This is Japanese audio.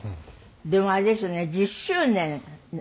でもあれですね１０周年。